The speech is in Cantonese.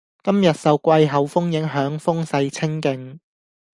今日受季候風影響，風勢清勁